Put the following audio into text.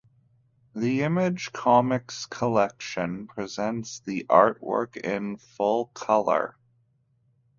The Image Comics collection presents the artwork in full color.